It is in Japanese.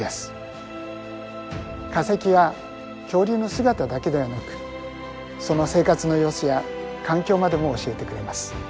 化石は恐竜の姿だけではなくその生活の様子や環境までもを教えてくれます。